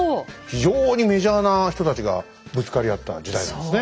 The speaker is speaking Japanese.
非常にメジャーな人たちがぶつかり合った時代なんですね。